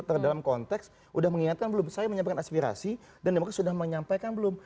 terdalam konteks sudah mengingatkan belum saya menyampaikan aspirasi dan demokrat sudah menyampaikan belum